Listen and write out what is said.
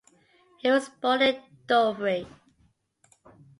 He was born in Dovre.